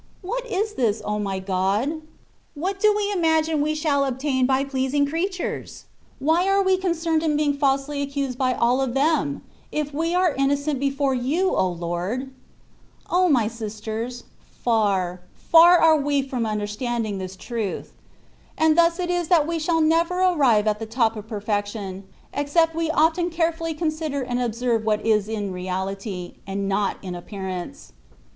What is this, O my God? What do we imagine we shall obtain by pleasing creatures? Why are we concerned in being falsely accused by all of them, if we are innocent before You, O Lord ? O my sisters ! far, far are we from understand ing this truth ! And thus it is that we shall never arrive at the top of perfection, except we often carefully consider and observe what it is in reality, and not in appearance.